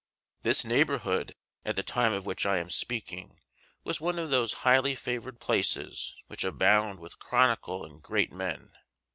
This neighborhood, at the time of which I am speaking, was one of those highly favored places which abound with chronicle and great men.